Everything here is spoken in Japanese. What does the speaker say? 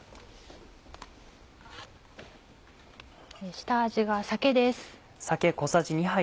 下味が酒です。